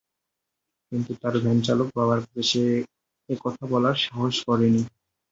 কিন্তু তার ভ্যানচালক বাবার কাছে এ কথা বলার সাহস করেনি সে।